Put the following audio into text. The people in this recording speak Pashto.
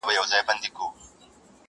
چي د رقیب په وینو سره توره راغلی یمه!.